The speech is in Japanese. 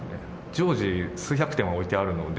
常時数百点は置いてあるので、